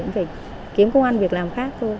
phải kiếm công an việc làm khác thôi